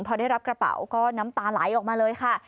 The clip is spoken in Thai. พอได้รับกระเป๋าก็น้ำตาไหลออกมาเลยค่ะ